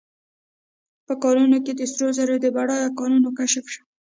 په کانونو کې د سرو زرو د بډایه کانونو کشف شو.